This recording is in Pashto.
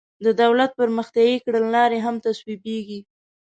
د دولت پرمختیایي کړنلارې هم تصویبیږي.